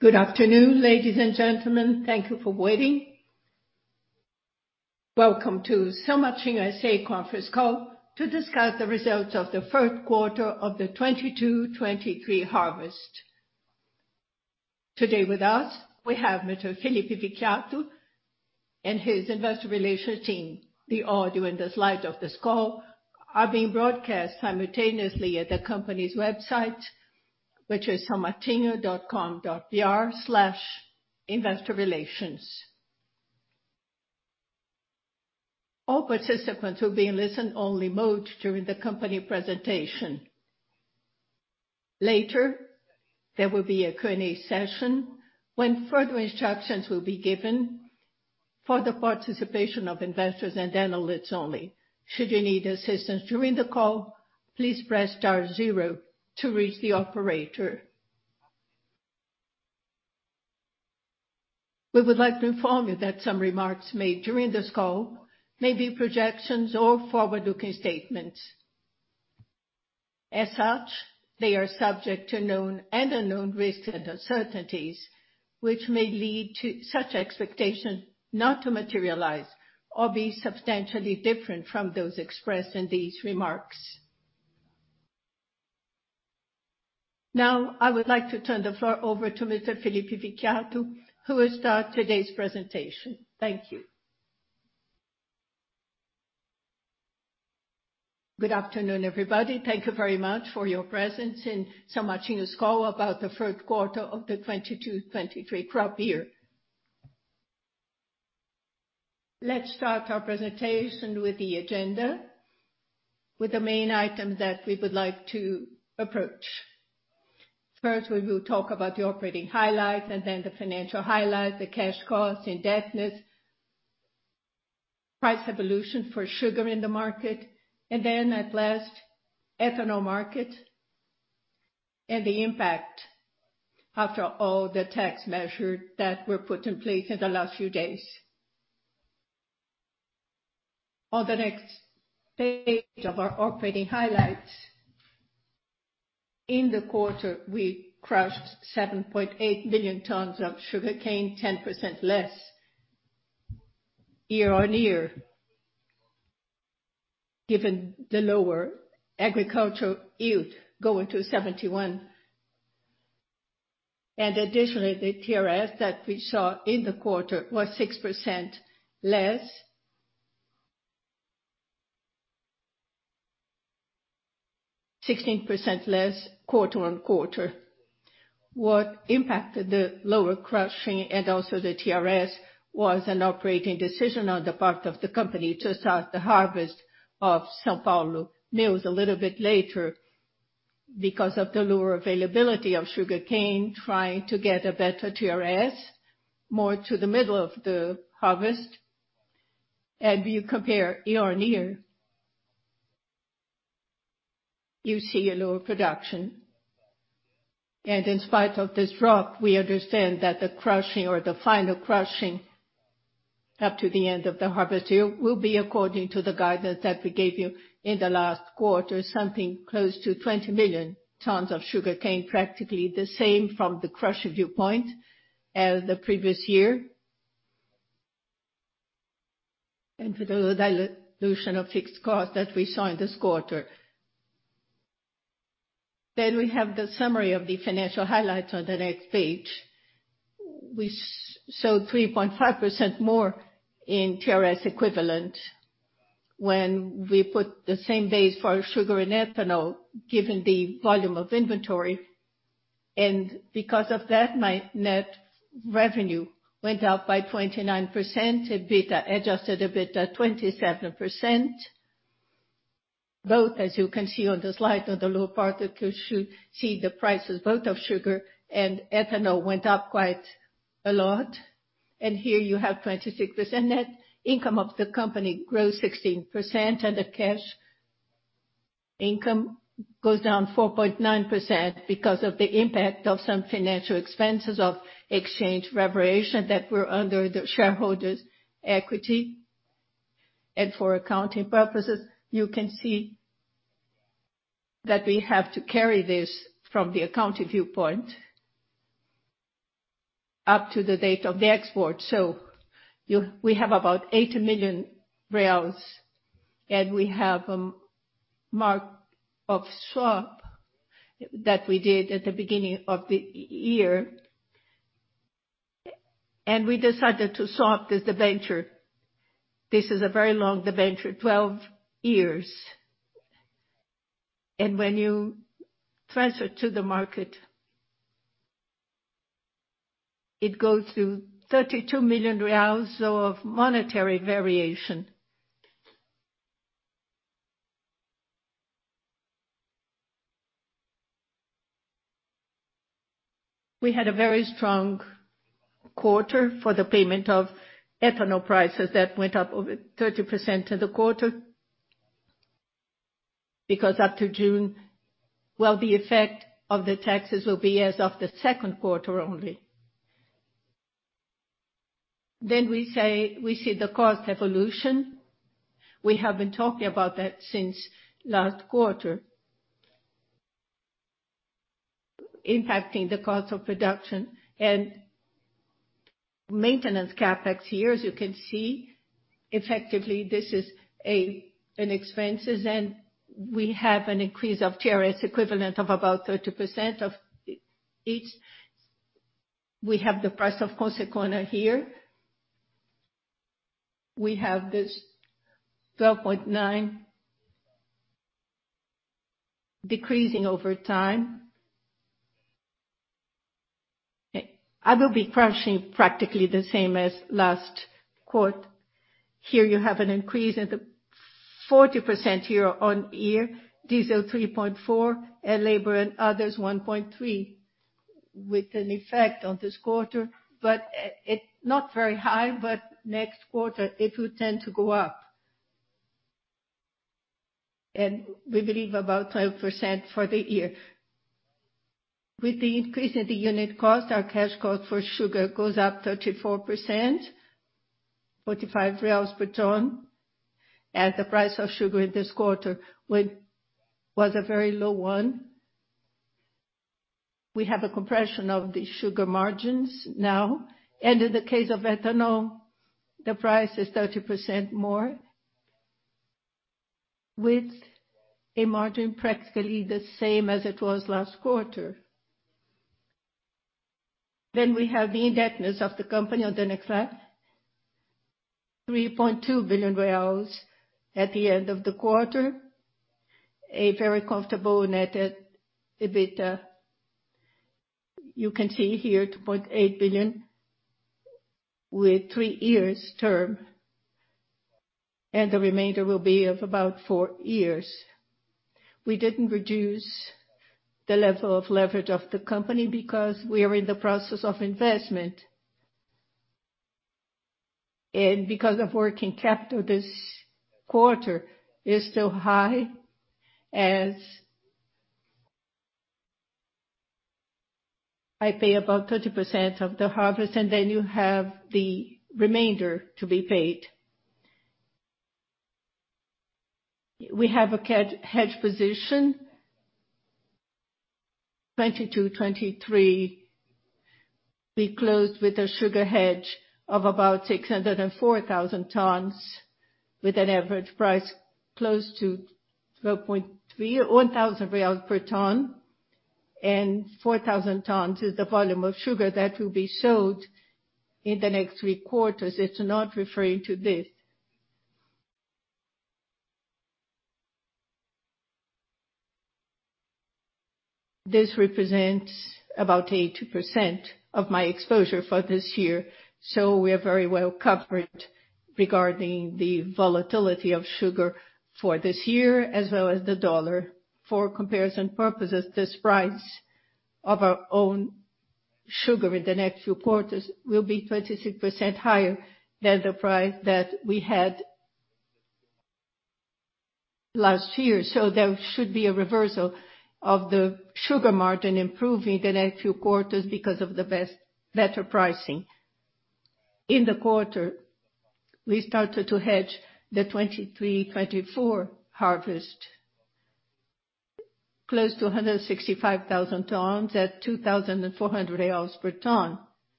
Good afternoon, ladies and gentlemen. Thank you for waiting. Welcome to São Martinho S.A. conference call to discuss the results of the first quarter of the 2022/2023 harvest. Today with us, we have Mr. Felipe Vicchiato and his investor relations team. The audio and the slides of this call are being broadcast simultaneously at the company's website, which is saomartinho.com.br/investorrelations. All participants will be in listen-only mode during the company presentation. Later, there will be a Q&A session when further instructions will be given for the participation of investors and analysts only. Should you need assistance during the call, please press star zero to reach the operator. We would like to inform you that some remarks made during this call may be projections or forward-looking statements. As such, they are subject to known and unknown risks and uncertainties, which may lead to such expectations not to materialize or be substantially different from those expressed in these remarks. Now, I would like to turn the floor over to Mr. Felipe Vicchiato, who will start today's presentation. Thank you. Good afternoon, everybody. Thank you very much for your presence in São Martinho's call about the third quarter of the 2022/2023 crop year. Let's start our presentation with the agenda, with the main items that we would like to approach. First, we will talk about the operating highlights and then the financial highlights, the cash costs, indebtedness, price evolution for sugar in the market, and then at last, ethanol market and the impact after all the tax measures that were put in place in the last few days. On the next page of our operating highlights, in the quarter, we crushed 7.8 million tons of sugarcane, 10% less year-over-year, given the lower agricultural yield going to 71. Additionally, the TRS that we saw in the quarter was 6% less, 16% less quarter-over-quarter. What impacted the lower crushing and also the TRS was an operating decision on the part of the company to start the harvest of São Paulo mills a little bit later because of the lower availability of sugarcane, trying to get a better TRS more to the middle of the harvest. If you compare year-over-year, you see a lower production. In spite of this drop, we understand that the crushing or the final crushing up to the end of the harvest year will be according to the guidance that we gave you in the last quarter, something close to 20 million tons of sugarcane, practically the same from the crushing viewpoint as the previous year. For the dilution of fixed costs that we saw in this quarter. We have the summary of the financial highlights on the next page. We sold 3.5% more in TRS equivalent when we put the same base for sugar and ethanol, given the volume of inventory. Because of that, my net revenue went up by 29%, EBITDA, adjusted EBITDA, 27%. Both, as you can see on the slide on the lower part, you can see the prices both of sugar and ethanol went up quite a lot. Here you have 26% net income of the company grow 16%, and the cash income goes down 4.9% because of the impact of some financial expenses of exchange variation that were under the shareholders' equity. For accounting purposes, you can see that we have to carry this from the accounting viewpoint up to the date of the export. We have about 80 million, and we have mark to market of the swap that we did at the beginning of the year. We decided to swap this debenture. This is a very long debenture, 12 years. When you transfer to the market, it goes to 32 million reais of monetary variation. We had a very strong quarter for the payment of ethanol prices that went up over 30% in the quarter. Because up to June, while the effect of the taxes will be as of the second quarter only. We say, we see the cost evolution. We have been talking about that since last quarter. Impacting the cost of production and maintenance CapEx here, as you can see, effectively this is an expense and we have an increase of TRS equivalent of about 30% of each. We have the price of CONSECANA here. We have this 12.9 decreasing over time. I will be crushing practically the same as last quarter. Here you have an increase at the 40% year-on-year, diesel 3.4, and labor and others 1.3 with an effect on this quarter. It's not very high, but next quarter it will tend to go up. We believe about 12% for the year. With the increase in the unit cost, our cash cost for sugar goes up 34%, 45 reais per ton, and the price of sugar in this quarter was a very low one. We have a compression of the sugar margins now. In the case of ethanol, the price is 30% more with a margin practically the same as it was last quarter. We have the indebtedness of the company on the next slide, 3.2 billion BRL at the end of the quarter. A very comfortable net EBITDA. You can see here 2.8 billion BRL with three years term, and the remainder will be of about four years. We didn't reduce the level of leverage of the company because we are in the process of investment. Because of working capital this quarter is still high, as I pay about 30% of the harvest, and then you have the remainder to be paid. We have a cash hedge position. 22/23, we closed with a sugar hedge of about 604,000 tons with an average price close to 12.3 thousand real per ton, and 604,000 tons is the volume of sugar that will be sold in the next three quarters. It's not referring to this. This represents about 82% of my exposure for this year, so we are very well covered regarding the volatility of sugar for this year, as well as the dollar. For comparison purposes, this price of our own sugar in the next few quarters will be 26% higher than the price that we had last year. There should be a reversal of the sugar margin improving the next few quarters because of better pricing. In the quarter, we started to hedge the 2023-2024 harvest. Close to 165,000 tons at BRL 2,400 per ton,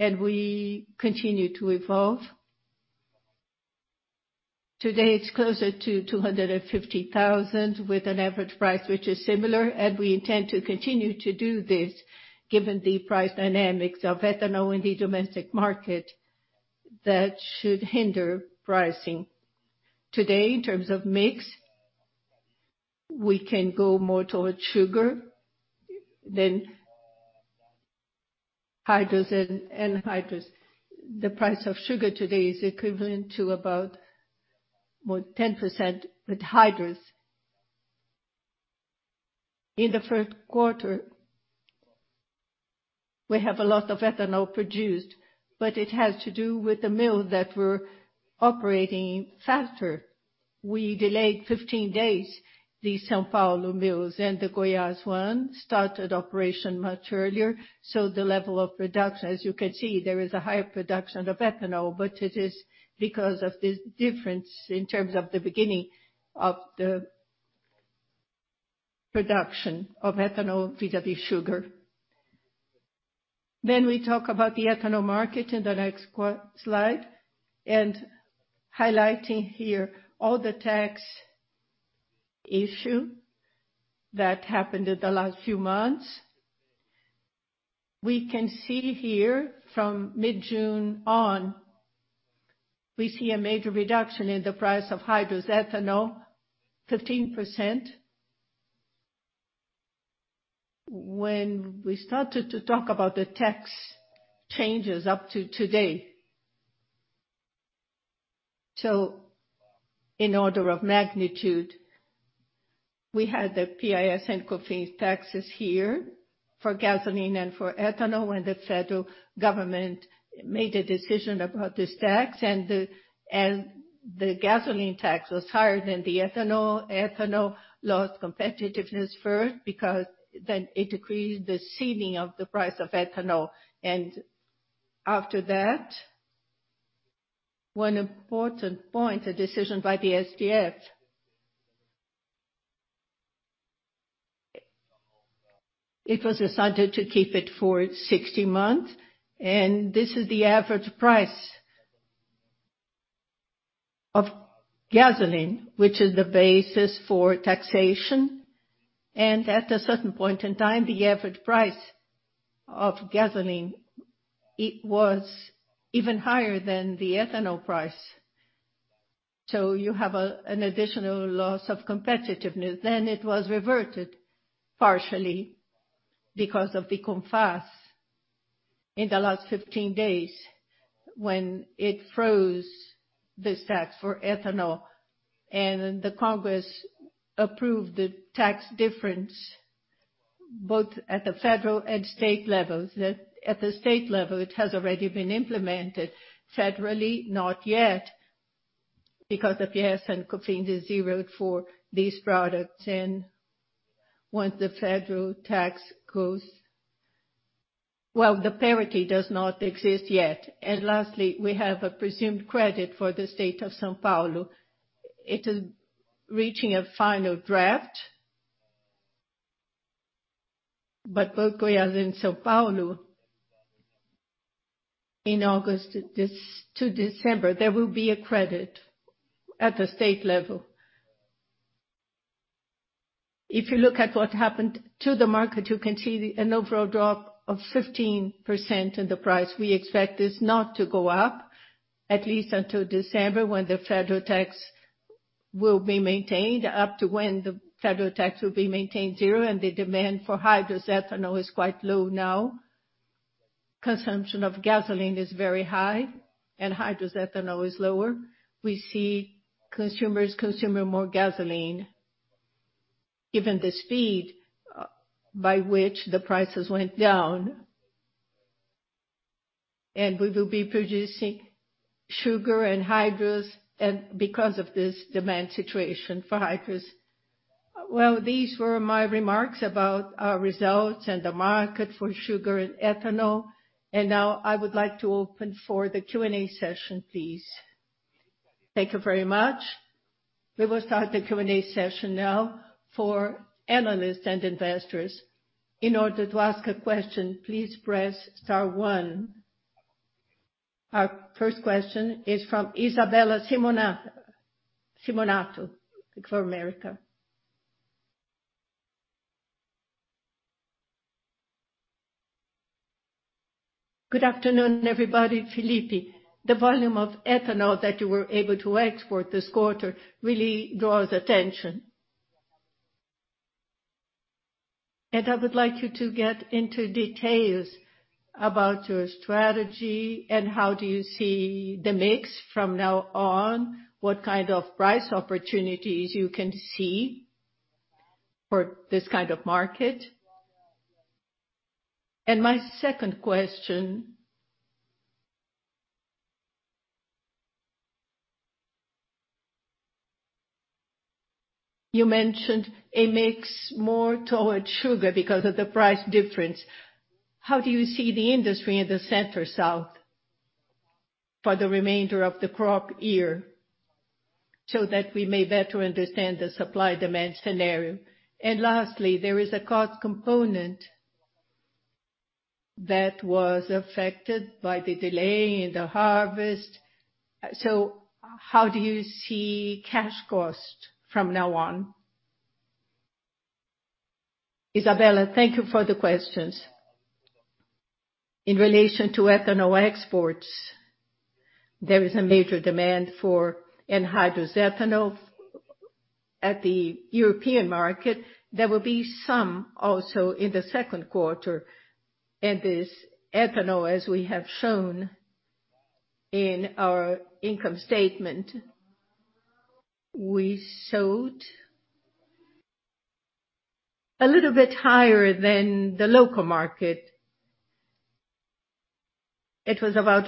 and we continue to evolve. Today, it's closer to 250,000 with an average price which is similar, and we intend to continue to do this given the price dynamics of ethanol in the domestic market that should hinder pricing. Today, in terms of mix, we can go more towards sugar than hydrous. The price of sugar today is equivalent to about, well, 10% with hydrous. In the first quarter, we have a lot of ethanol produced, but it has to do with the mills that were operating faster. We delayed 15 days the São Paulo mills, and the Goiás one started operation much earlier, so the level of production, as you can see, there is a higher production of ethanol, but it is because of this difference in terms of the beginning of the production of ethanol vis-à-vis sugar. We talk about the ethanol market in the next slide, and highlighting here all the tax issue that happened in the last few months. We can see here from mid-June on, we see a major reduction in the price of hydrous ethanol, 15%. When we started to talk about the tax changes up to today. In order of magnitude, we had the PIS and COFINS taxes here for gasoline and for ethanol when the federal government made a decision about this tax and the gasoline tax was higher than the ethanol. Ethanol lost competitiveness first because then it decreased the ceiling of the price of ethanol. After that, one important point, a decision by the STF. It was decided to keep it for 60 months, and this is the average price of gasoline, which is the basis for taxation. At a certain point in time, the average price of gasoline, it was even higher than the ethanol price. You have an additional loss of competitiveness. It was reverted partially because of the CONFAZ in the last 15 days, when it froze this tax for ethanol. The Congress approved the tax difference both at the federal and state levels. At the state level, it has already been implemented. Federally, not yet, because the PIS/COFINS is zeroed for these products. Once the federal tax goes, well, the parity does not exist yet. Lastly, we have a presumed credit for the state of São Paulo. It is reaching a final draft. Both Goiás and São Paulo, in August this to December, there will be a credit at the state level. If you look at what happened to the market, you can see an overall drop of 15% in the price. We expect this not to go up at least until December, when the federal tax will be maintained, up to when the federal tax will be maintained zero and the demand for hydrous ethanol is quite low now. Consumption of gasoline is very high, and hydrous ethanol is lower. We see consumers consuming more gasoline given the speed by which the prices went down. We will be producing sugar and hydrous and because of this demand situation for hydrous. Well, these were my remarks about our results and the market for sugar and ethanol. Now I would like to open for the Q&A session, please. Thank you very much. We will start the Q&A session now for analysts and investors. In order to ask a question, please press star one. Our first question is from Isabella Simonato, Bank of America. Good afternoon, everybody. Felipe, the volume of ethanol that you were able to export this quarter really draws attention. I would like you to get into details about your strategy and how do you see the mix from now on, what kind of price opportunities you can see for this kind of market? My second question, you mentioned a mix more towards sugar because of the price difference. How do you see the industry in the Center-South for the remainder of the crop year so that we may better understand the supply-demand scenario? Lastly, there is a cost component that was affected by the delay in the harvest. How do you see cash cost from now on? Isabella, thank you for the questions. In relation to ethanol exports, there is a major demand for anhydrous ethanol at the European market. There will be some also in the second quarter. This ethanol, as we have shown in our income statement, we sold a little bit higher than the local market. It was about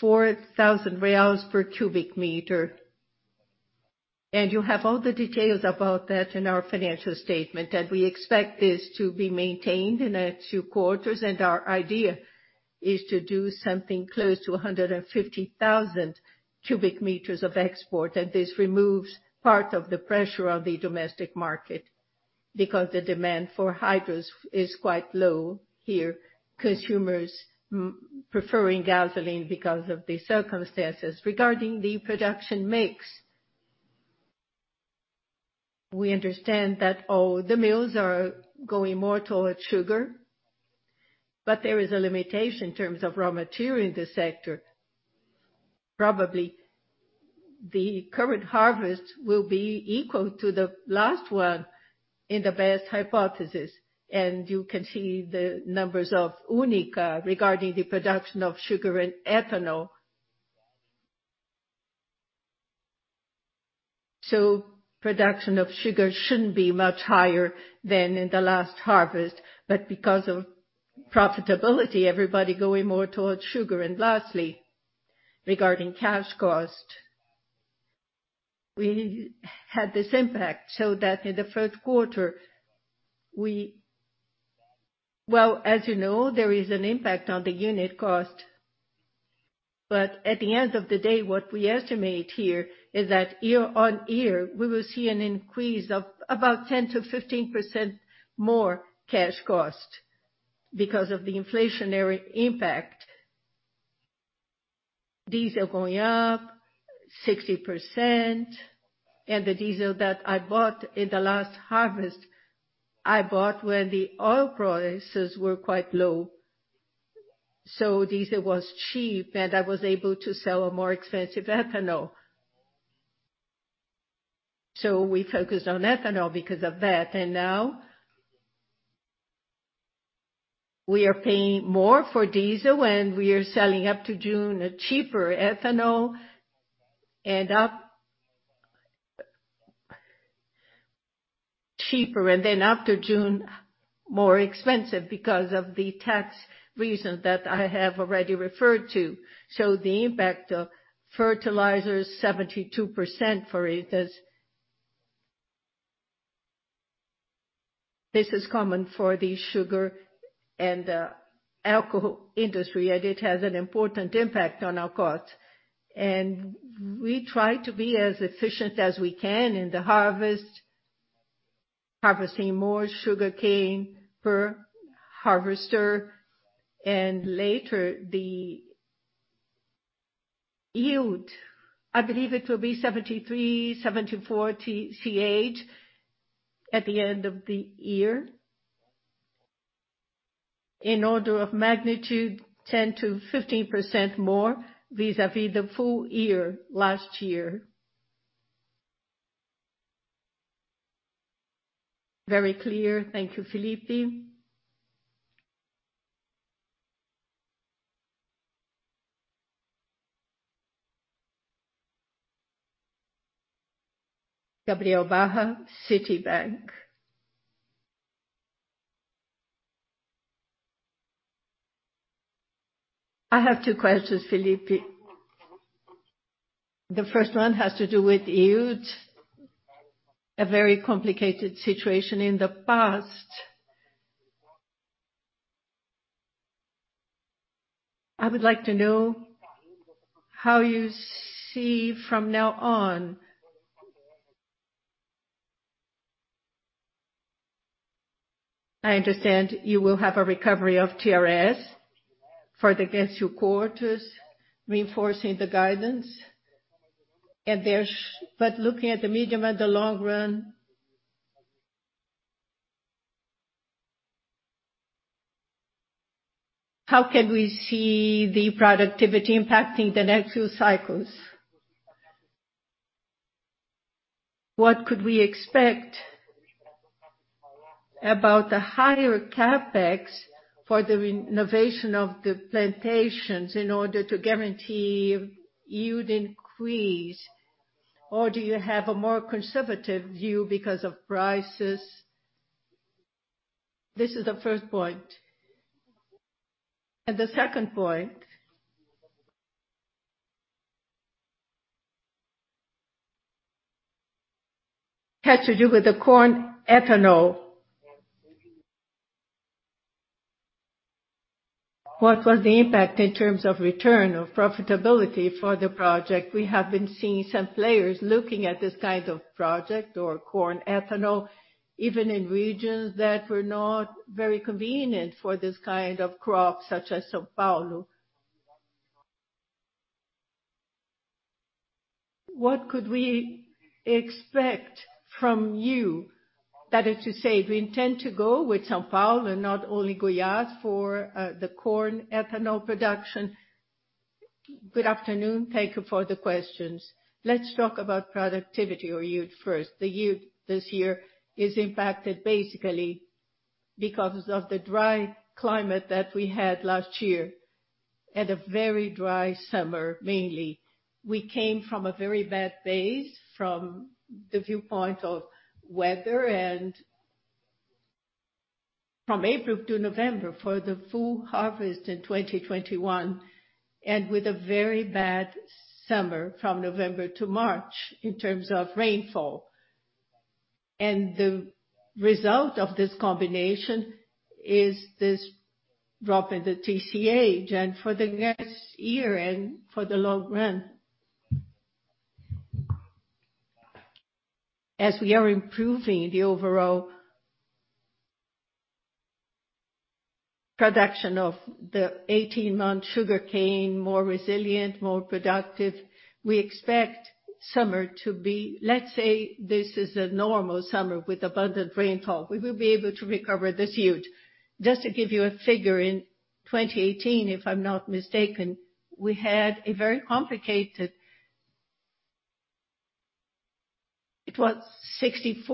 4,000 reais per cubic meter. You have all the details about that in our financial statement. We expect this to be maintained in a two quarters. Our idea is to do something close to 150,000 cubic meters of export. This removes part of the pressure on the domestic market because the demand for hydrous is quite low here, consumers preferring gasoline because of the circumstances. Regarding the production mix, we understand that, the mills are going more towards sugar, but there is a limitation in terms of raw material in this sector. Probably the current harvest will be equal to the last one in the best hypothesis, and you can see the numbers of UNICA regarding the production of sugar and ethanol. Production of sugar shouldn't be much higher than in the last harvest, but because of profitability, everybody going more towards sugar. Lastly, regarding cash cost, we had this impact so that in the first quarter. Well, as you know, there is an impact on the unit cost. At the end of the day, what we estimate here is that year-on-year, we will see an increase of about 10%-15% more cash cost because of the inflationary impact. Diesel going up 60%, and the diesel that I bought in the last harvest, I bought when the oil prices were quite low. Diesel was cheap, and I was able to sell a more expensive ethanol. We focused on ethanol because of that. Now we are paying more for diesel, and we are selling up to June a cheaper ethanol, and then after June, more expensive because of the tax reason that I have already referred to. The impact of fertilizer is 72% for it, as this is common for the sugar and alcohol industry, and it has an important impact on our costs. We try to be as efficient as we can in the harvest, harvesting more sugarcane per harvester. Later, the yield, I believe it will be 73, 74 TCH at the end of the year. In order of magnitude, 10%-15% more vis-à-vis the full year last year. Very clear. Thank you, Felipe. Gabriel Barra, Citi. I have two questions, Felipe. The first one has to do with yields, a very complicated situation in the past. I would like to know how you see from now on. I understand you will have a recovery of TRS for the next two quarters, reinforcing the guidance. Looking at the medium and the long run, how can we see the productivity impacting the next two cycles? What could we expect about the higher CapEx for the renovation of the plantations in order to guarantee yield increase? Or do you have a more conservative view because of prices? This is the first point. The second point has to do with the corn ethanol. What was the impact in terms of return or profitability for the project? We have been seeing some players looking at this kind of project or corn ethanol, even in regions that were not very convenient for this kind of crop, such as São Paulo. What could we expect from you? That is to say, do you intend to go with São Paulo and not only Goiás for the corn ethanol production? Good afternoon. Thank you for the questions. Let's talk about productivity or yield first. The yield this year is impacted basically because of the dry climate that we had last year and a very dry summer, mainly. We came from a very bad base from the viewpoint of weather and from April to November for the full harvest in 2021, and with a very bad summer from November to March in terms of rainfall. The result of this combination is this drop in the TCH. For the next year and for the long run, as we are improving the overall production of the 18-month sugarcane, more resilient, more productive, let's say this is a normal summer with abundant rainfall. We will be able to recover this yield. Just to give you a figure, in 2018, if I'm not mistaken, we had a very complicated. It was 64-65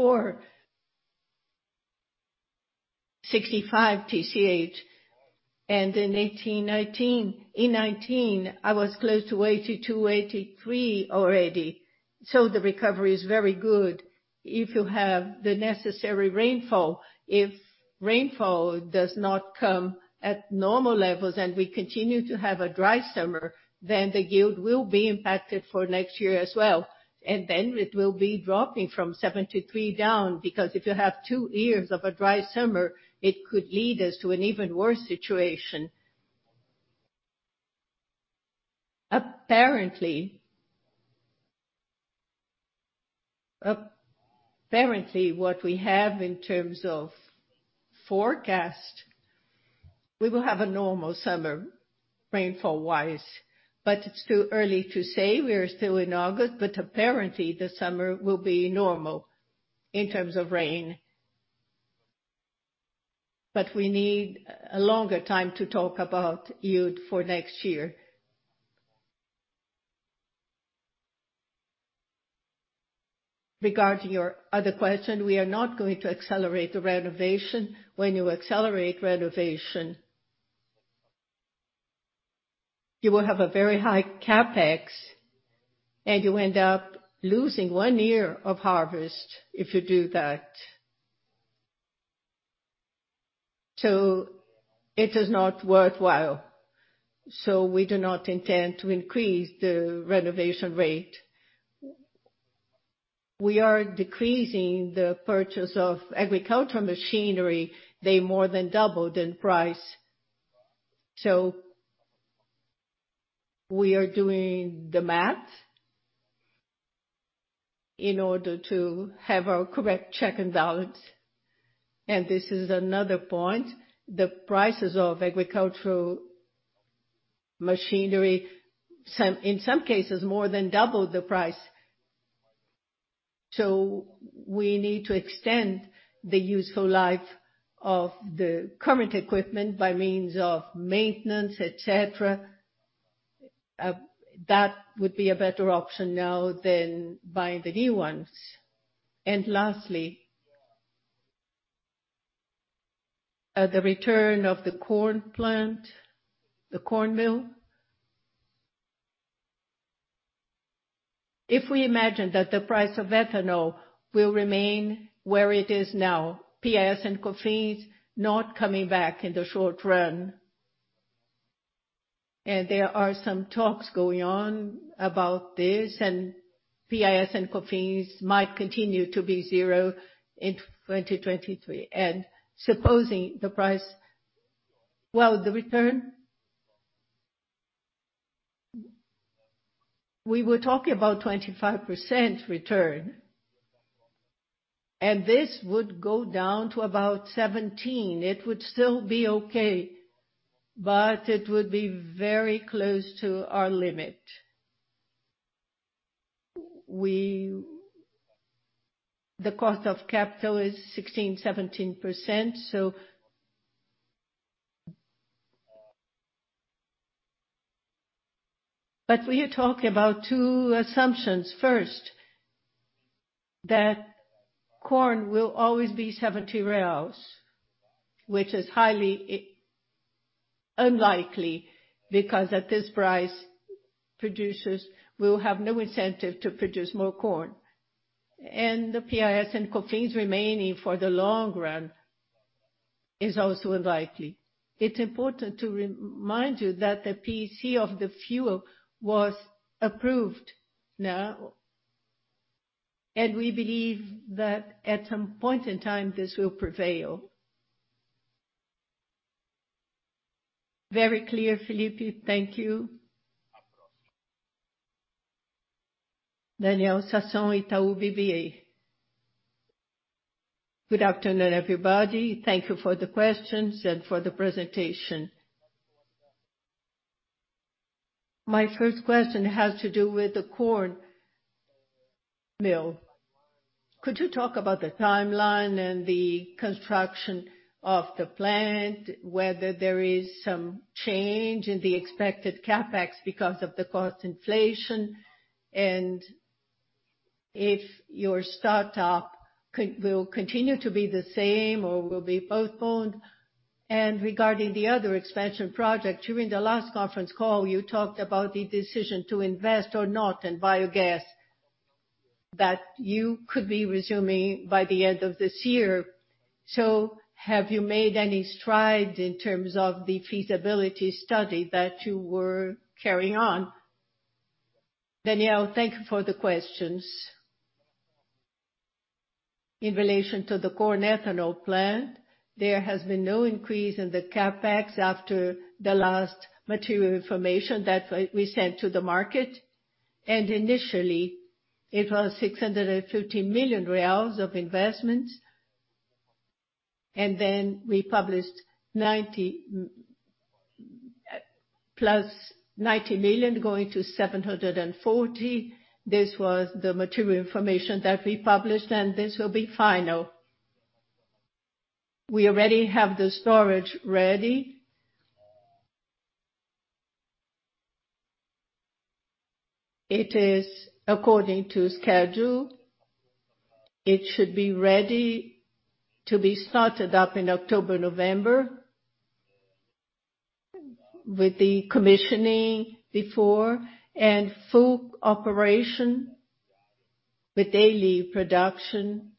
TCH. In 2019, it was close to 82-83 already. The recovery is very good if you have the necessary rainfall. If rainfall does not come at normal levels and we continue to have a dry summer, then the yield will be impacted for next year as well. Then it will be dropping from 73 down, because if you have two years of a dry summer, it could lead us to an even worse situation. Apparently what we have in terms of forecast, we will have a normal summer rainfall-wise. It's too early to say. We are still in August, apparently the summer will be normal in terms of rain. We need a longer time to talk about yield for next year. Regarding your other question, we are not going to accelerate the renovation. When you accelerate renovation, you will have a very high CapEx, and you end up losing one year of harvest if you do that. It is not worthwhile. We do not intend to increase the renovation rate. We are decreasing the purchase of agricultural machinery. They more than doubled in price. We are doing the math in order to have our correct check and balance. This is another point. The prices of agricultural machinery, some in some cases more than doubled the price. We need to extend the useful life of the current equipment by means of maintenance, et cetera. That would be a better option now than buying the new ones. Lastly, the return of the corn plant, the corn mill. If we imagine that the price of ethanol will remain where it is now, PIS and COFINS not coming back in the short run, and there are some talks going on about this, and PIS and COFINS might continue to be 0 in 2023. Supposing the price, well, the return, we were talking about 25% return, and this would go down to about 17. It would still be okay, but it would be very close to our limit. The cost of capital is 16%-17%, so. We are talking about two assumptions. First, that corn will always be 70 reais, which is highly unlikely, because at this price, producers will have no incentive to produce more corn. The PIS and COFINS remaining for the long run is also unlikely. It's important to remind you that the PEC of the fuel was approved now. We believe that at some point in time, this will prevail. Very clear, Felipe. Thank you. Daniel Sasson, Itaú BBA. Good afternoon, everybody. Thank you for the questions and for the presentation. My first question has to do with the corn mill. Could you talk about the timeline and the construction of the plant, whether there is some change in the expected CapEx because of the cost inflation, and if your start up will continue to be the same or will be postponed? Regarding the other expansion project, during the last conference call, you talked about the decision to invest or not in biogas that you could be resuming by the end of this year. Have you made any strides in terms of the feasibility study that you were carrying on? Daniel, thank you for the questions. In relation to the corn ethanol plant, there has been no increase in the CapEx after the last material information that we sent to the market. Initially, it was 650 million reais of investments. Then we published 90 plus 90 million going to 740. This was the material information that we published, and this will be final. We already have the storage ready. It is according to schedule. It should be ready to be started up in October, November. With the commissioning before and full operation with daily production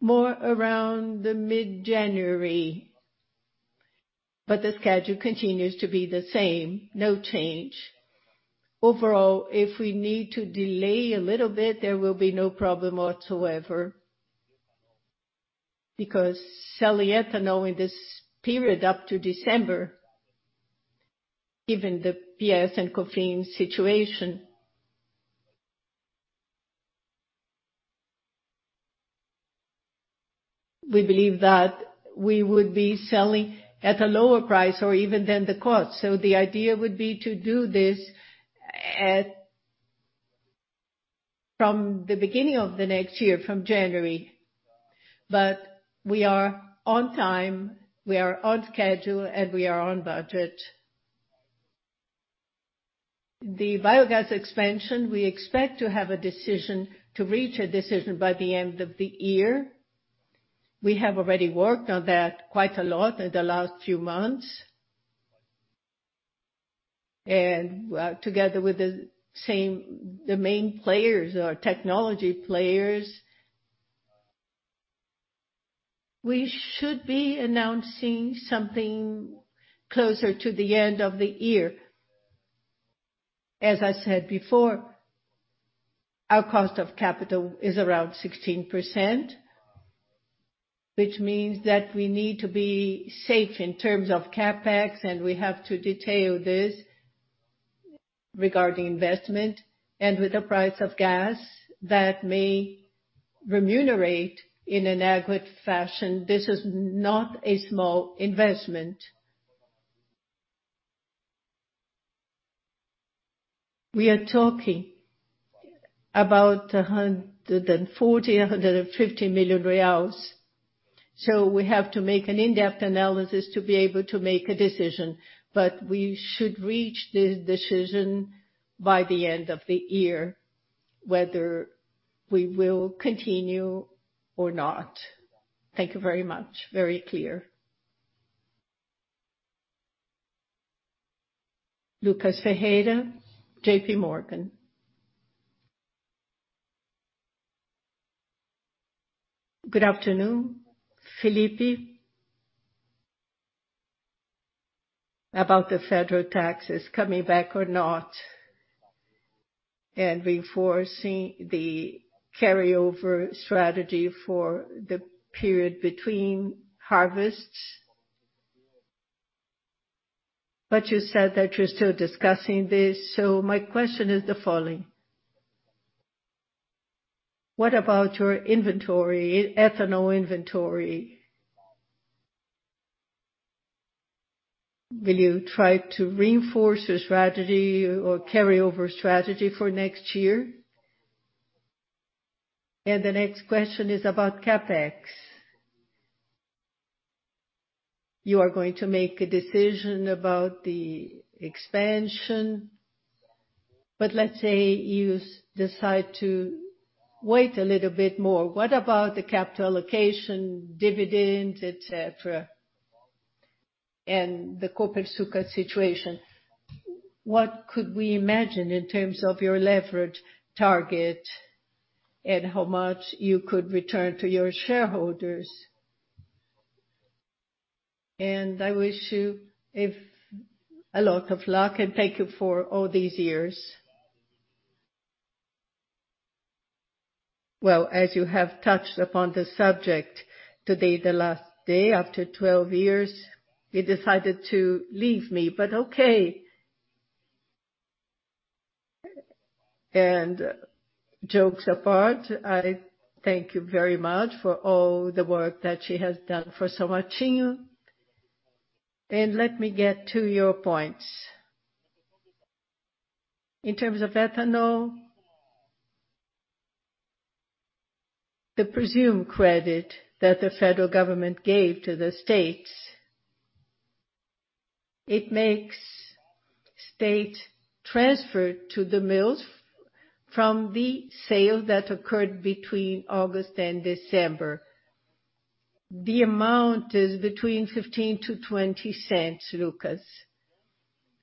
more around the mid-January. The schedule continues to be the same, no change. Overall, if we need to delay a little bit, there will be no problem whatsoever. Because selling ethanol in this period up to December, given the PIS and COFINS situation. We believe that we would be selling at a lower price or even than the cost. The idea would be to do this at, from the beginning of the next year, from January. We are on time, we are on schedule, and we are on budget. The biogas expansion, we expect to reach a decision by the end of the year. We have already worked on that quite a lot in the last few months. Together with the main players or technology players. We should be announcing something closer to the end of the year. As I said before, our cost of capital is around 16%, which means that we need to be safe in terms of CapEx, and we have to detail this regarding investment and with the price of gas that may remunerate in an adequate fashion. This is not a small investment. We are talking about 140 million-150 million reais. We have to make an in-depth analysis to be able to make a decision. We should reach the decision by the end of the year, whether we will continue or not. Thank you very much. Very clear. Lucas Ferreira, JPMorgan. Good afternoon, Felipe. About the federal taxes coming back or not, and reinforcing the carryover strategy for the period between harvests. You said that you're still discussing this, so my question is the following: what about your inventory, ethanol inventory? Will you try to reinforce your strategy or carryover strategy for next year? The next question is about CapEx. You are going to make a decision about the expansion, but let's say you decide to wait a little bit more. What about the capital allocation, dividend, et cetera, and the Copersucar situation? What could we imagine in terms of your leverage target and how much you could return to your shareholders? I wish you a lot of luck, and thank you for all these years. Well, as you have touched upon the subject, today, the last day, after 12 years, you decided to leave me, but okay. Jokes apart, I thank you very much for all the work that she has done for São Martinho. Let me get to your points. In terms of ethanol, the presumed credit that the federal government gave to the states, it makes states transfer to the mills from the sale that occurred between August and December. The amount is 0.15-0.20, Lucas.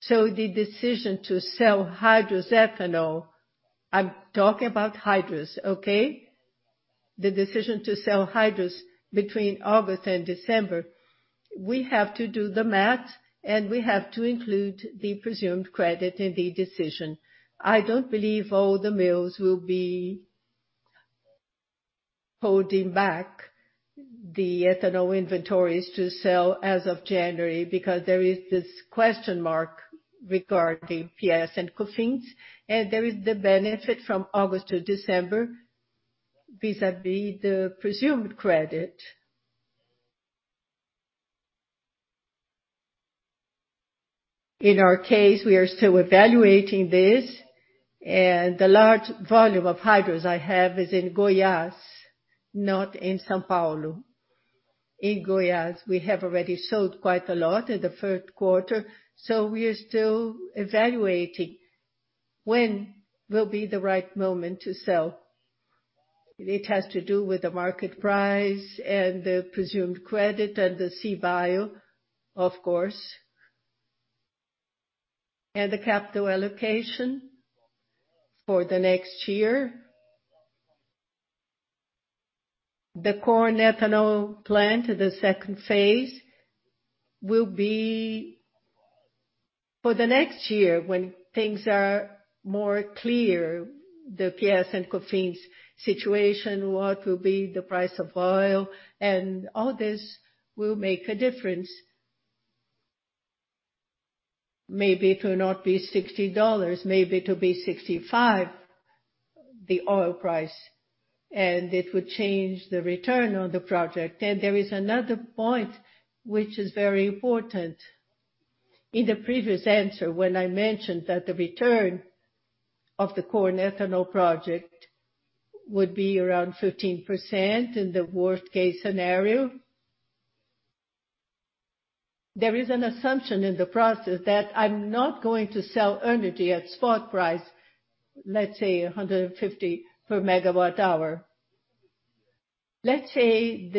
The decision to sell hydrous ethanol, I'm talking about hydrous, okay? The decision to sell hydrous between August and December, we have to do the math, and we have to include the presumed credit in the decision. I don't believe all the mills will be holding back the ethanol inventories to sell as of January because there is this question mark regarding PIS and COFINS, and there is the benefit from August to December vis-à-vis the presumed credit. In our case, we are still evaluating this, and the large volume of hydrous we have is in Goiás, not in São Paulo. In Goiás, we have already sold quite a lot in the third quarter, so we are still evaluating when will be the right moment to sell. It has to do with the market price and the presumed credit and the CBio, of course. The capital allocation for the next year. The corn ethanol plant, the second phase will be for the next year when things are more clear. The PIS and COFINS situation, what will be the price of oil and all this will make a difference. Maybe it will not be $60, maybe it will be $65, the oil price, and it would change the return on the project. There is another point which is very important. In the previous answer, when I mentioned that the return of the corn ethanol project would be around 15% in the worst case scenario. There is an assumption in the process that I'm not going to sell energy at spot price, let's say 150 per megawatt hour. Let's say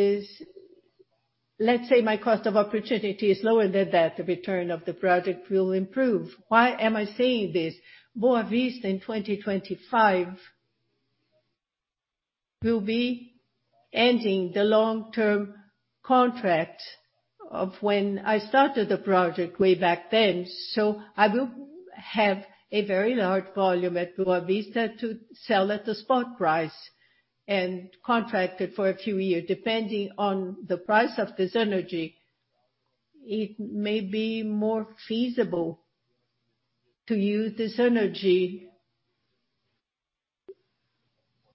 my cost of opportunity is lower than that, the return of the project will improve. Why am I saying this? Boa Vista in 2025 will be ending the long-term contract of when I started the project way back then. I will have a very large volume at Boa Vista to sell at the spot price and contract it for a few years. Depending on the price of this energy, it may be more feasible to use this energy,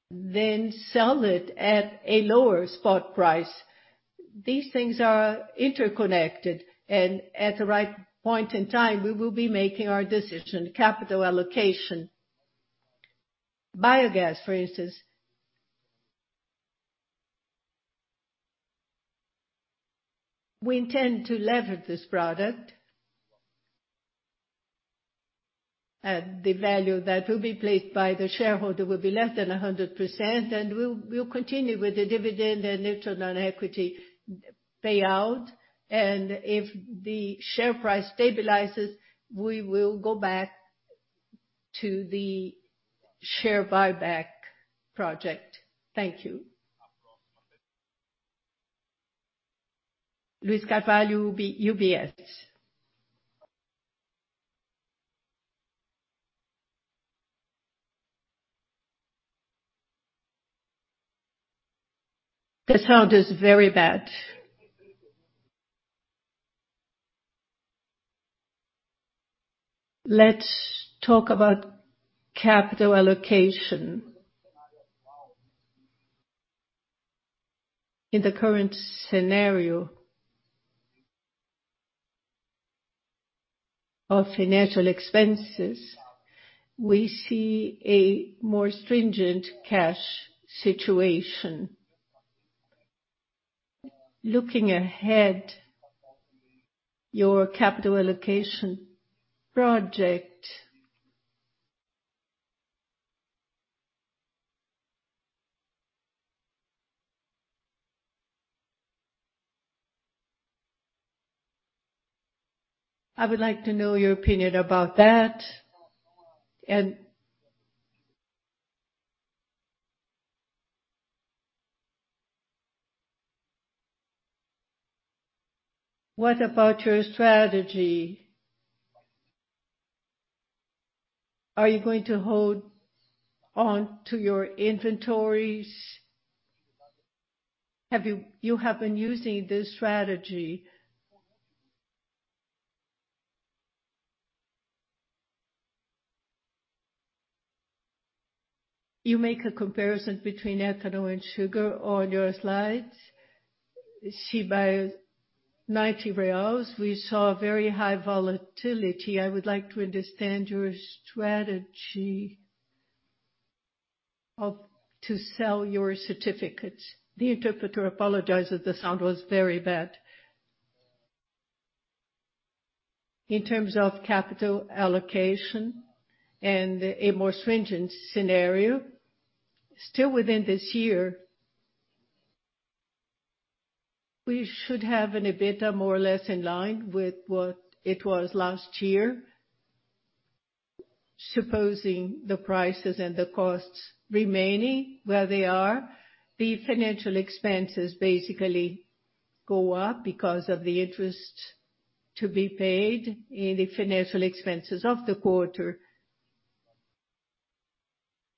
then sell it at a lower spot price. These things are interconnected, and at the right point in time, we will be making our decision. Capital allocation. Biogas, for instance. We intend to leverage this product. The value that will be placed by the shareholder will be less than 100%. We'll continue with the dividend and return on equity payout. If the share price stabilizes, we will go back to the share buyback project. Thank you. Luiz Carvalho, UBS. The sound is very bad. Let's talk about capital allocation. In the current scenario of financial expenses, we see a more stringent cash situation. Looking ahead, your capital allocation project. I would like to know your opinion about that. What about your strategy? Are you going to hold on to your inventories? You have been using this strategy. You make a comparison between ethanol and sugar on your slides. CBio, 90 reais, we saw very high volatility. I would like to understand your strategy to sell your certificates. The interpreter apologizes, the sound was very bad. In terms of capital allocation and a more stringent scenario, still within this year, we should have an EBITDA more or less in line with what it was last year. Supposing the prices and the costs remaining where they are, the financial expenses basically go up because of the interest to be paid in the financial expenses of the quarter.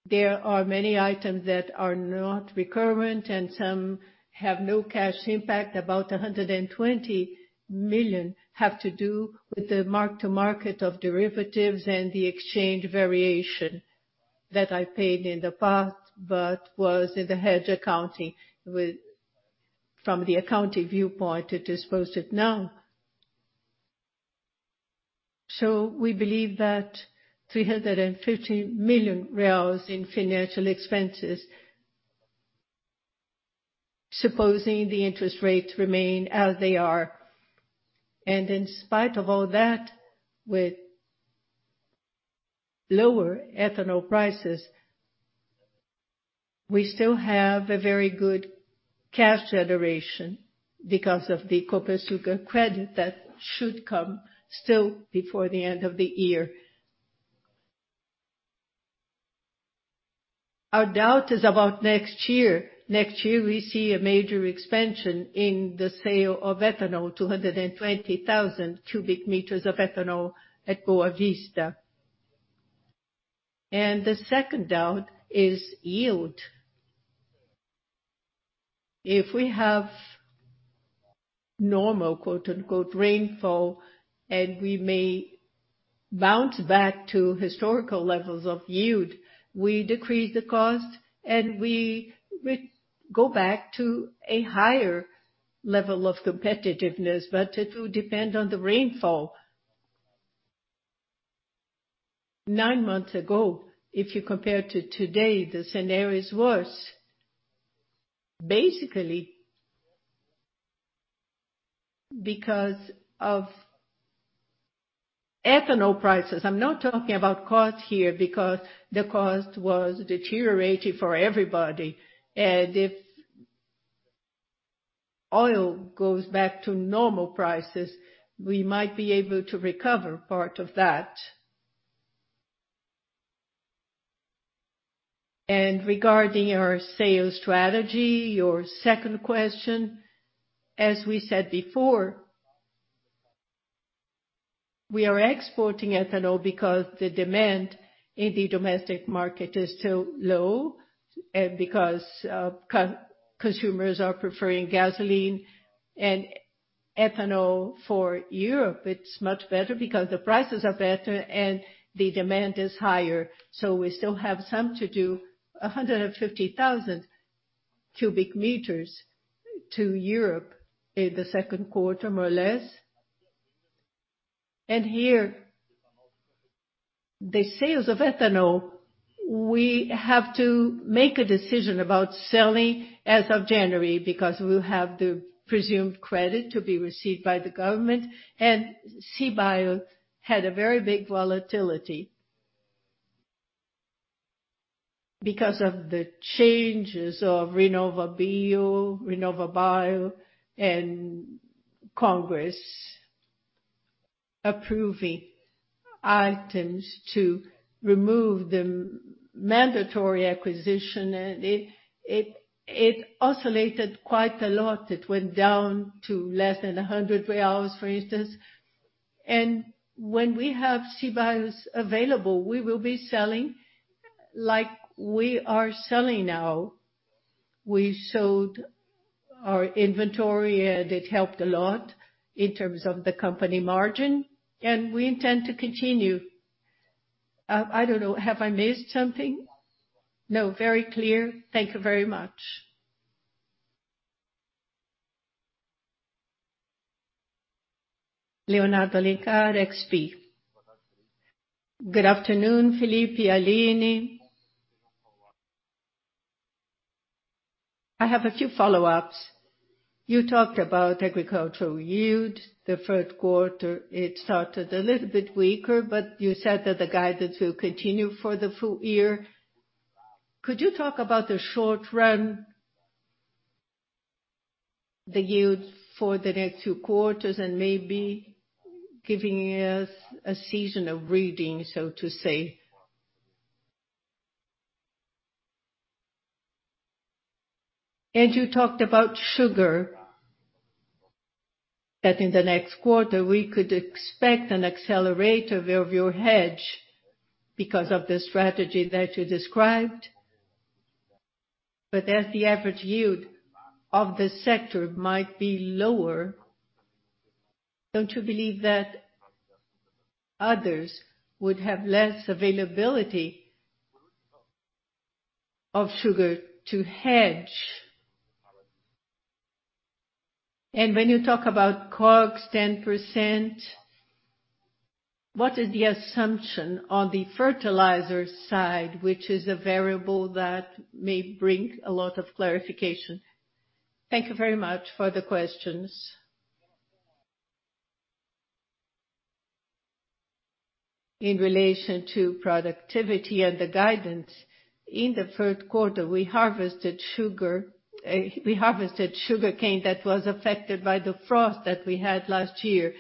There are many items that are not recurrent and some have no cash impact. About 120 million have to do with the mark to market of derivatives and the exchange variation that I paid in the past, but was in the hedge accounting. From the accounting viewpoint, it is posted now. So we believe that 350 million reais in financial expenses, supposing the interest rates remain as they are. In spite of all that, with lower ethanol prices, we still have a very good cash generation because of the Copersucar credit that should come still before the end of the year. Our doubt is about next year. Next year, we see a major expansion in the sale of ethanol, 220,000 cubic meters of ethanol at Boa Vista. The second doubt is yield. If we have normal, quote-unquote, rainfall, and we may bounce back to historical levels of yield, we decrease the cost, and we go back to a higher level of competitiveness, but it will depend on the rainfall. Nine months ago, if you compare to today, the scenario is worse. Basically, because of ethanol prices. I'm not talking about cost here because the cost was deteriorating for everybody. If oil goes back to normal prices, we might be able to recover part of that. Regarding our sales strategy, your second question, as we said before, we are exporting ethanol because the demand in the domestic market is still low and because consumers are preferring gasoline, and ethanol for Europe. It's much better because the prices are better and the demand is higher. We still have some to do, 150,000 cubic meters to Europe in the second quarter, more or less. Here, the sales of ethanol, we have to make a decision about selling as of January because we have the presumed credit to be received by the government. CBio had a very big volatility because of the changes of RenovaBio and Congress approving items to remove the mandatory acquisition. It oscillated quite a lot. It went down to less than 100 reais, for instance. When we have CBios available, we will be selling like we are selling now. We sold our inventory and it helped a lot in terms of the company margin, and we intend to continue. I don't know. Have I missed something? No, very clear. Thank you very much. Leonardo Alencar, XP. Good afternoon, Felipe, Aline. I have a few follow-ups. You talked about agricultural yield. The first quarter, it started a little bit weaker, but you said that the guidance will continue for the full year. Could you talk about the short run, the yield for the next two quarters and maybe giving us a seasonal reading, so to say? And you talked about sugar, that in the next quarter we could expect an accelerator of your hedge because of the strategy that you described. But as the average yield of the sector might be lower, don't you believe that others would have less availability of sugar to hedge? And when you talk about COGS 10%, what is the assumption on the fertilizer side, which is a variable that may bring a lot of clarification? Thank you very much for the questions. In relation to productivity and the guidance, in the third quarter, we harvested sugarcane that was affected by the frost that we had last year.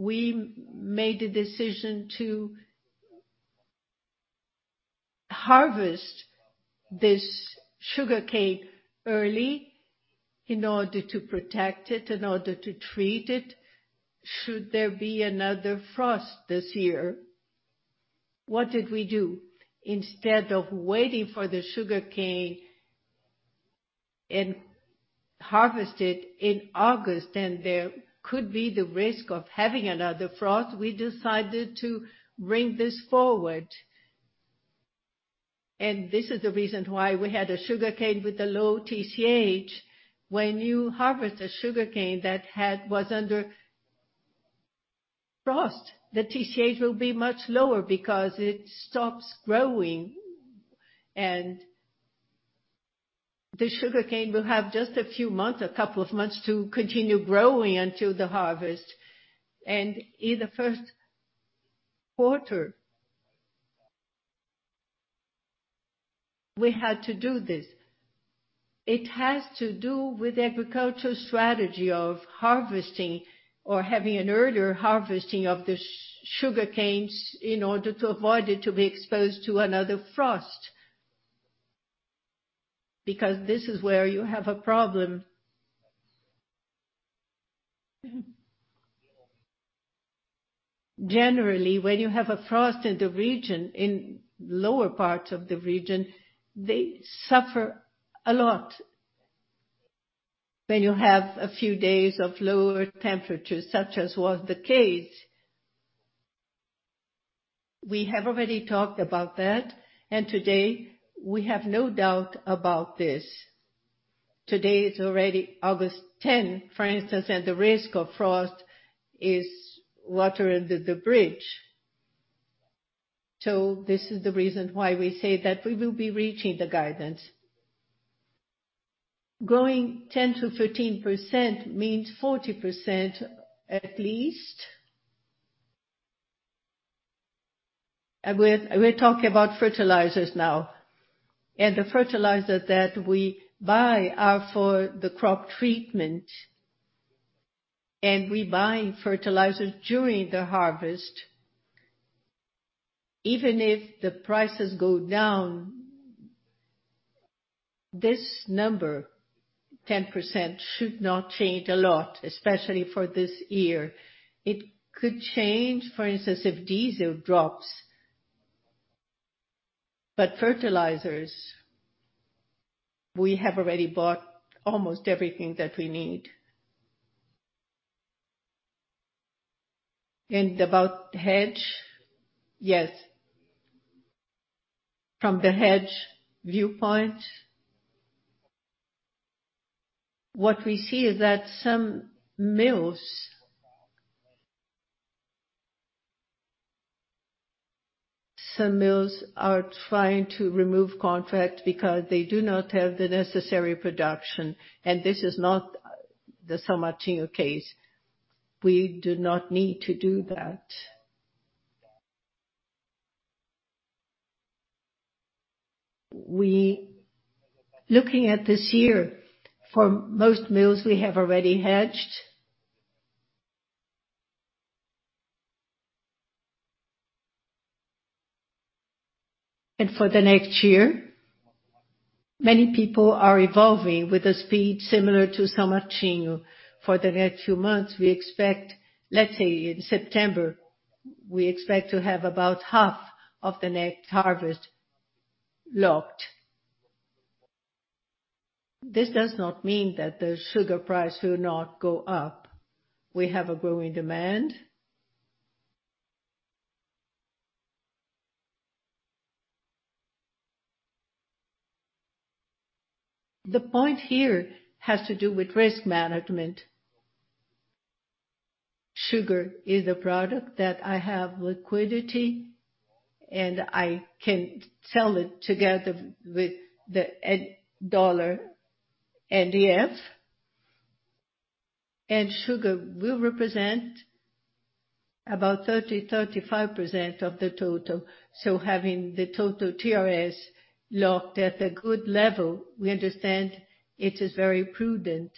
We made a decision to harvest this sugarcane early in order to protect it, in order to treat it should there be another frost this year. What did we do? Instead of waiting for the sugarcane and harvest it in August, and there could be the risk of having another frost, we decided to bring this forward. This is the reason why we had a sugarcane with a low TCH. When you harvest a sugarcane that was under frost, the TCH will be much lower because it stops growing. The sugarcane will have just a few months, a couple of months to continue growing until the harvest. In the first quarter, we had to do this. It has to do with agricultural strategy of harvesting or having an earlier harvesting of the sugarcanes in order to avoid it to be exposed to another frost. Because this is where you have a problem. Generally, when you have a frost in the region, in lower parts of the region, they suffer a lot when you have a few days of lower temperatures, such as was the case. We have already talked about that, and today we have no doubt about this. Today is already August 10, for instance, and the risk of frost is water under the bridge. This is the reason why we say that we will be reaching the guidance. Growing 10%-13% means 40% at least. We're talking about fertilizers now, and the fertilizer that we buy are for the crop treatment. We buy fertilizers during the harvest. Even if the prices go down, this number, 10% should not change a lot, especially for this year. It could change, for instance, if diesel drops. Fertilizers, we have already bought almost everything that we need. About hedge. Yes. From the hedge viewpoint, what we see is that some mills are trying to remove contract because they do not have the necessary production, and this is not the São Martinho case. We do not need to do that. Looking at this year, for most mills we have already hedged. For the next year, many people are evolving with a speed similar to São Martinho. For the next few months, we expect, let's say in September, we expect to have about half of the next harvest locked. This does not mean that the sugar price will not go up. We have a growing demand. The point here has to do with risk management. Sugar is a product that I have liquidity and I can sell it together with the dollar NDF. Sugar will represent about 30%-35% of the total. Having the total TRS locked at a good level, we understand it is very prudent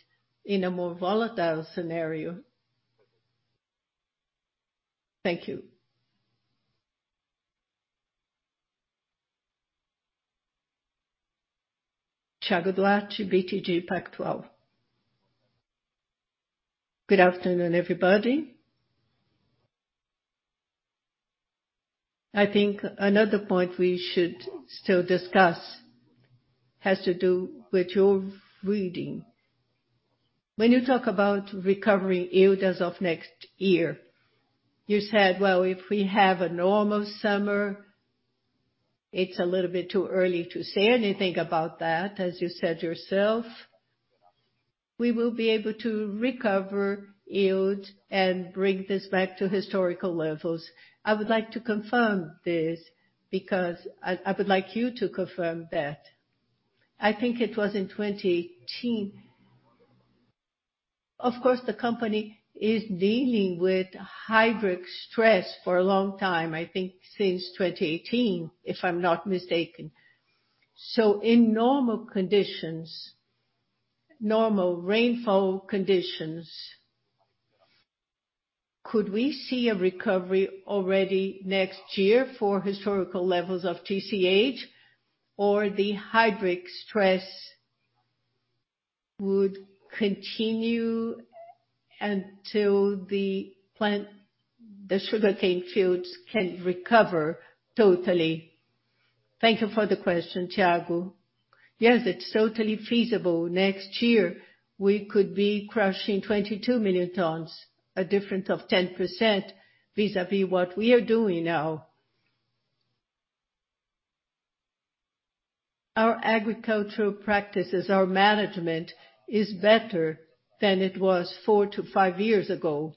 in a more volatile scenario. Thank you. Thiago Duarte, BTG Pactual. Good afternoon, everybody. I think another point we should still discuss has to do with your reading. When you talk about recovering yields as of next year, you said, "Well, if we have a normal summer, it's a little bit too early to say anything about that," as you said yourself. We will be able to recover yields and bring this back to historical levels. I would like to confirm this because I would like you to confirm that. I think it was in 2018. Of course, the company is dealing with hydric stress for a long time, I think since 2018, if I'm not mistaken. In normal conditions, normal rainfall conditions, could we see a recovery already next year for historical levels of TCH? Or the hydric stress would continue until the sugarcane fields can recover totally? Thank you for the question, Thiago. Yes, it's totally feasible. Next year we could be crushing 22 million tons, a difference of 10% vis-á-vis what we are doing now. Our agricultural practices, our management is better than it was four to five years ago.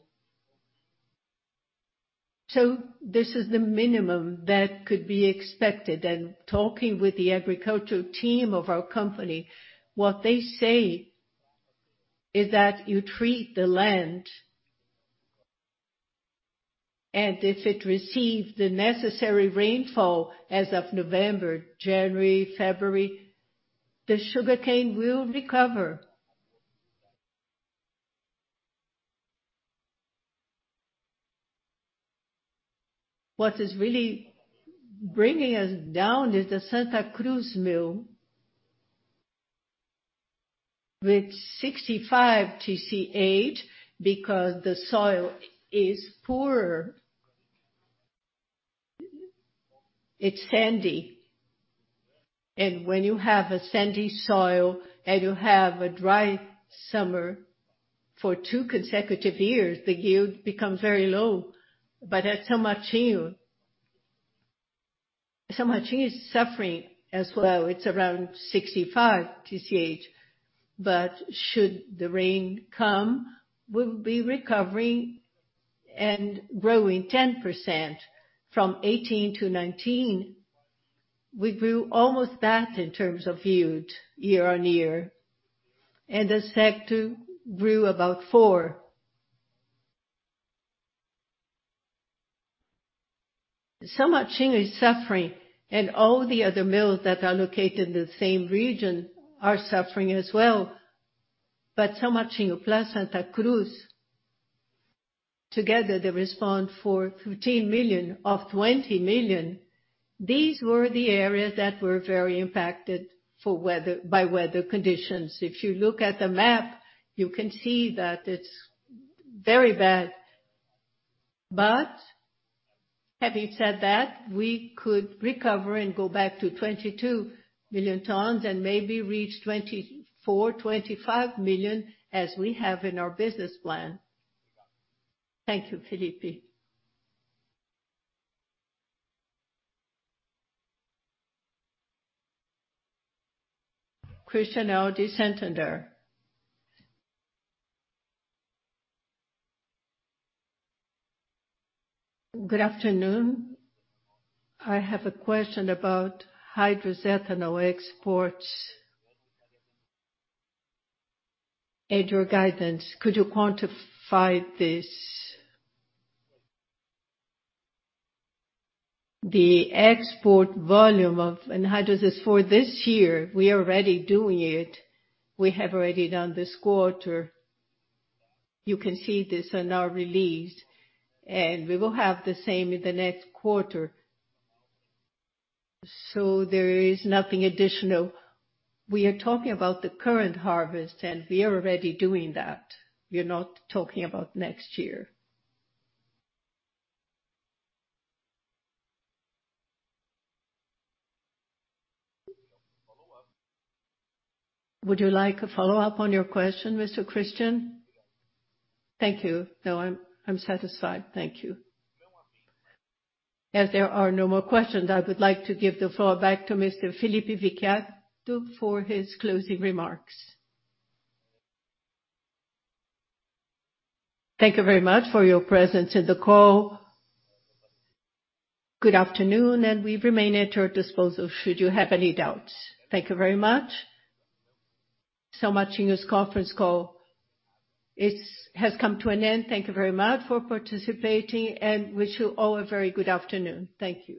This is the minimum that could be expected. Talking with the agricultural team of our company, what they say is that you treat the land, and if it receives the necessary rainfall as of November, January, February, the sugarcane will recover. What is really bringing us down is the Santa Cruz mill with 65 TCH because the soil is poorer. It's sandy. When you have a sandy soil and you have a dry summer for two consecutive years, the yield becomes very low. At São Martinho, São Martinho is suffering as well. It's around 65 TCH. Should the rain come, we will be recovering and growing 10% from 18 to 19. We grew almost that in terms of yield year-on-year. The sector grew about 4%. São Martinho is suffering, and all the other mills that are located in the same region are suffering as well. São Martinho plus Santa Cruz, together they respond for 13 million of 20 million. These were the areas that were very impacted by weather conditions. If you look at the map, you can see that it's very bad. Having said that, we could recover and go back to 22 million tons and maybe reach 24-25 million as we have in our business plan. Thank you, Felipe. Christian Audi. Good afternoon. I have a question about hydrous ethanol exports and your guidance. Could you quantify this? The export volume of anhydrous for this year, we are already doing it. We have already done this quarter. You can see this in our release, and we will have the same in the next quarter. So there is nothing additional. We are talking about the current harvest, and we are already doing that. We're not talking about next year. Follow-up. Would you like a follow-up on your question, Mr. Audi? Thank you. No, I'm satisfied. Thank you. As there are no more questions, I would like to give the floor back to Mr. Felipe Vicchiato for his closing remarks. Thank you very much for your presence in the call. Good afternoon, and we remain at your disposal should you have any doubts. Thank you very much. São Martinho's conference call has come to an end. Thank you very much for participating, and wish you all a very good afternoon. Thank you.